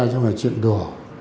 trong cái chuyện đùa